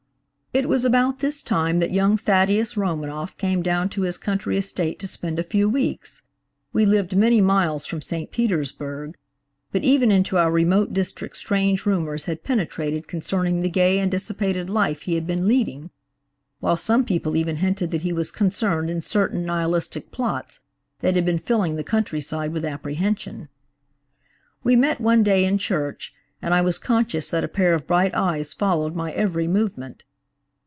"It was about this time that young Thaddeus Romanoff came down to his country estate to spend a few weeks. We lived many miles from St. Petersburg, but even into our remote district strange rumors had penetrated concerning the gay and dissipated life he had been leading; while some people even hinted that he was concerned in certain Nihilistic plots that had been filling the countryside with apprehension. "We met one day in church, and I was conscious that a pair of bright eyes followed my every movement.